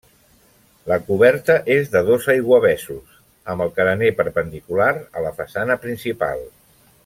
La coberta és de dos aiguavessos, amb el carener perpendicular a la façana principal.